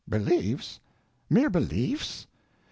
Beliefs? Mere beliefs?